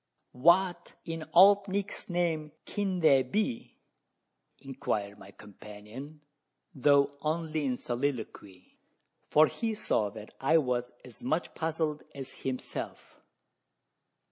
"What, in Old Nick's name, kin they be?" inquired my companion though only in soliloquy, for he saw that I was as much puzzled as himself.